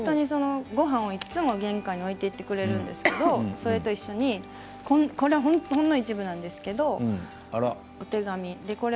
ごはんをいつも玄関に置いていてくれるんですがそれと一緒にこれはほんの一部なんですがお手紙です。